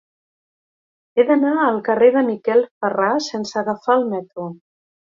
He d'anar al carrer de Miquel Ferrà sense agafar el metro.